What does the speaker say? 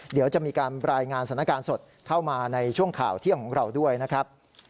เดี๋ยวจะมีการรายงานสถานการณ์สดเข้ามาในช่วงข่าวเที่ยงของเราด้วยนะครับ